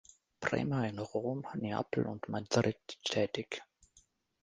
Prema in Rom, Neapel und Madrid tätig.